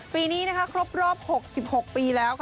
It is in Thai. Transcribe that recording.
ปีนี้ครบรอบ๖๖ปีแล้ว